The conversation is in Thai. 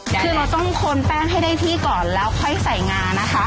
คือเราต้องโคนแป้งให้ได้ที่ก่อนแล้วค่อยใส่งานะคะ